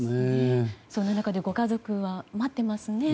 そんな中でご家族は待っていますよね。